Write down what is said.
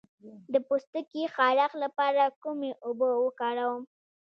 د پوستکي د خارښ لپاره کومې اوبه وکاروم؟